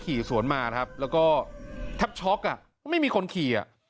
ขี่สวนมาครับแล้วก็แทบช็อกอ่ะไม่มีคนขี่อ่ะ